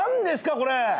これ。